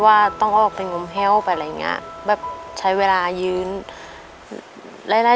ว่าต้องออกเป็นกลมแฮลป์อะไรอย่างเงี้ยแบบใช้เวลายืนหลายหลาย